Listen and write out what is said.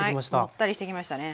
もったりしてきましたね。